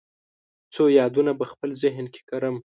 څو یادونه په خپل ذهن کې کرم